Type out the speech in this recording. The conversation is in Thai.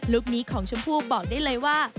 คนี้ของชมพู่บอกได้เลยว่า